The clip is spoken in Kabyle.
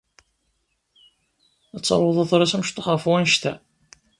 Ad taruḍ aḍris amecṭuḥ ɣef wanect-a?